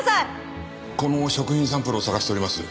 この食品サンプルを捜しております。